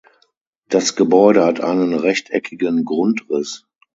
Das Gebäude hat einen rechteckigen Grundriss.